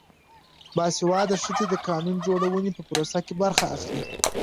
باسواده ښځې د قانون جوړونې په پروسه کې برخه اخلي.